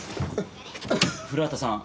古畑さん。